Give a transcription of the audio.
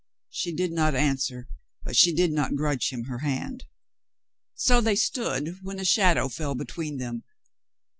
She did not answer, but she did not grudge him her hand. So they stood when a shadow fell between them.